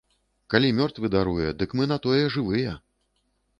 Калі мёртвы даруе, дык мы на тое жывыя!